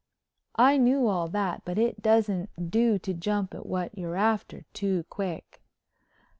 I knew all that but it doesn't do to jump at what you're after too quick.